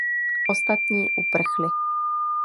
Ostatní uprchli.